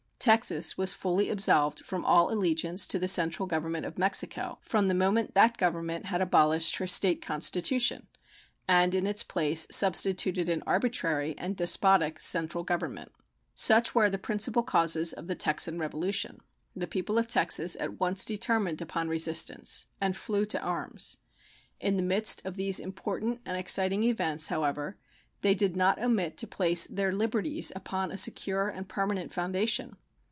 Texas was fully absolved from all allegiance to the central Government of Mexico from the moment that Government had abolished her State constitution and in its place substituted an arbitrary and despotic central government. Such were the principal causes of the Texan revolution. The people of Texas at once determined upon resistance and flew to arms. In the midst of these important and exciting events, however, they did not omit to place their liberties upon a secure and permanent foundation.